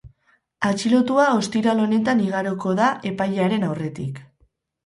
Atxilotua ostiral honetan igaroko da epailearen aurretik.